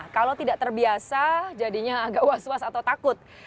kalau tidak terbiasa jadinya agak was was atau takut